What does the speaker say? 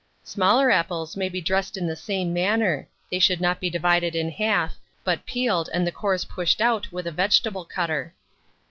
Smaller apples may be dressed in the same manner: they should not be divided in half, but peeled and the cores pushed out with a vegetable cutter.